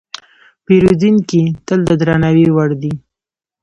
پیرودونکی تل د درناوي وړ دی.